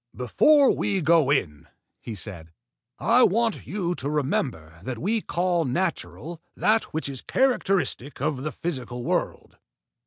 "Before we go in," he said, "I want you to remember that we call natural that which is characteristic of the physical world.